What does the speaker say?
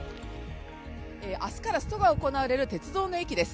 明日からストが行われる鉄道の駅です。